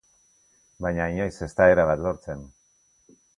Baina inoiz ez da erabat lortzen.